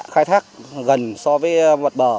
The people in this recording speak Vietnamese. khai thác gần so với mặt bờ